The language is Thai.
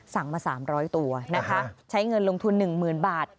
มา๓๐๐ตัวนะคะใช้เงินลงทุน๑๐๐๐บาท